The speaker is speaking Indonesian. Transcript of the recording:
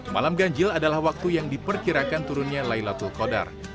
malam ganjil adalah waktu yang diperkirakan turunnya lailatul todar